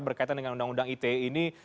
berkaitan dengan undang undang ite ini